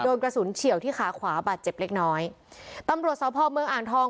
โดนกระสุนเฉียวที่ขาขวาบาดเจ็บเล็กน้อยตำรวจสพเมืองอ่างทอง